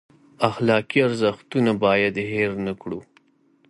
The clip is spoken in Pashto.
اخلاقي ارزښتونه باید هیر نه کړو.